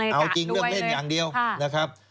เอาจริงเรื่องเล่นอย่างเดียวนะครับ